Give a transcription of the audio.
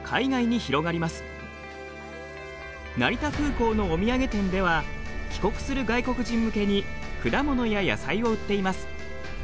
成田空港のお土産店では帰国する外国人向けに果物や野菜を売っています。